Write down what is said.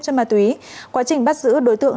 cho ma túy quá trình bắt giữ đối tượng